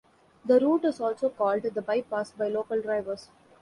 The route is also called "the bypass" by local drivers.